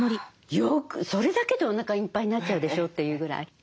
それだけでおなかいっぱいになっちゃうでしょっていうぐらい。